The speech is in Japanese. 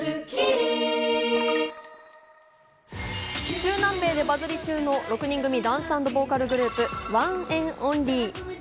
中南米でバズり中の６人組ダンス＆ボーカルグループ、ＯＮＥＮ’ＯＮＬＹ。